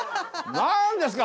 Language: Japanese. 何ですか！